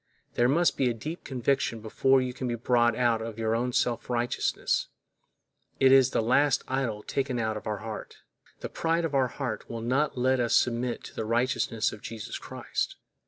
There must be a deep conviction before you can be brought out of your self righteousness; it is the last idol taken out of our heart. The pride of our heart will not let us submit to the righteousness of Jesus Christ.